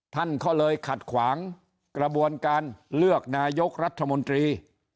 ท่านก็เลยขัดขวางกระบวนการเลือกนายกรัฐมนตรี